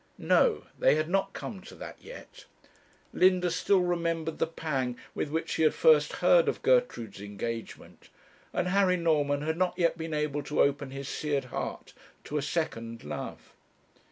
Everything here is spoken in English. No; they had not come to that yet. Linda still remembered the pang with which she had first heard of Gertrude's engagement, and Harry Norman had not yet been able to open his seared heart to a second love.